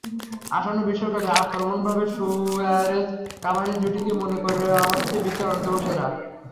আসন্ন বিশ্বকাপে আক্রমণভাগে সুয়ারেজ-কাভানি জুটিকে মনে করা হচ্ছে বিশ্বের অন্যতম সেরা।